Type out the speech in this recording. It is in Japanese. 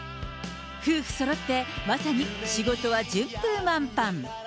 夫婦そろってまさに仕事は順風満帆。